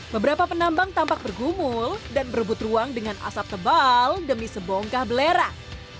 beberapa penambang tampak bergumul dan berebut ruang dengan asap tebal demi sebongkah belerang